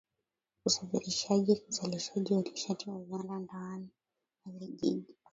usafirishaji uzalishaji wa nishati na viwanda Ndani ya jiji